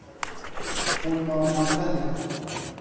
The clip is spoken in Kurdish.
Hûn mamoste ne.